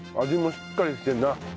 味もしっかりしてるな。